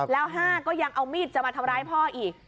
แล้ว๕ก็ยังเอามีดจะมาทำร้ายพ่ออีก